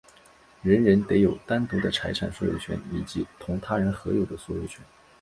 人人得有单独的财产所有权以及同他人合有的所有权。